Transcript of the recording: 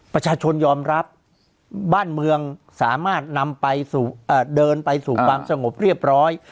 ประชาชนยอมรับบ้านเมืองสามารถนำไปเดินไปสู่ความสงบเรียบร้อย